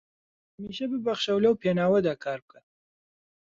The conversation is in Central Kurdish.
هەمیشە ببەخشە و لەو پێناوەدا کار بکە